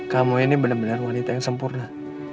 kamu ini bener bener wanita yang sempurna